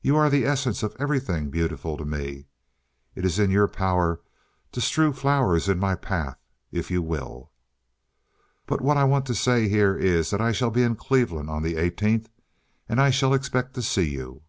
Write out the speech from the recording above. You are the essence of everything beautiful to me. It is in your power to strew flowers in my path if you will. "But what I want to say here is that I shall be in Cleveland on the 18th, and I shall expect to see you.